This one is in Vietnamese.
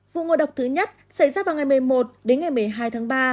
vụ ngộ độc thứ nhất xảy ra vào ngày một mươi một đến ngày một mươi hai tháng ba